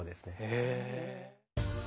へえ。